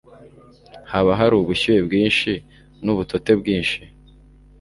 haba hari ubushyuhe bwinshi n ubutote bwinshi